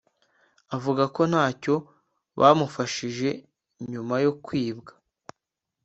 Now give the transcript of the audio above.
Avuga ko ntacyo bamufashije nyuma yo kwibwa